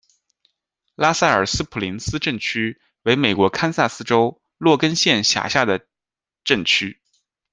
拉塞尔斯普林斯镇区为美国堪萨斯州洛根县辖下的镇区。